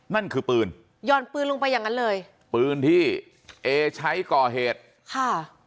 นั่นคือปืนหย่อนปืนลงไปอย่างนั้นเลยปืนที่เอใช้ก่อเหตุค่ะ